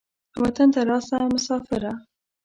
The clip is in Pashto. وطن ته راسه مسافره.